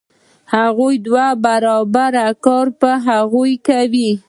هغه دوه برابره کار په هغوی کوي